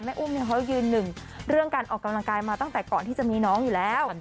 อุ้มเขายืนหนึ่งเรื่องการออกกำลังกายมาตั้งแต่ก่อนที่จะมีน้องอยู่แล้ว